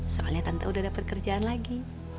soalnya tante udah dapat kerjaan lagi